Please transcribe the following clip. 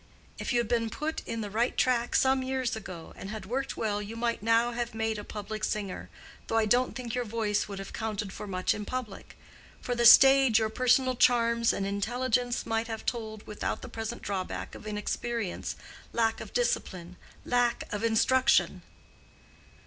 "If you had been put in the right track some years ago and had worked well you might now have made a public singer, though I don't think your voice would have counted for much in public. For the stage your personal charms and intelligence might then have told without the present drawback of inexperience—lack of discipline—lack of instruction."